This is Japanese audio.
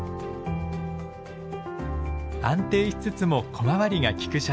安定しつつも小回りがきく車体。